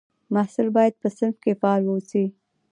محصل باید په صنف کې فعال واوسي.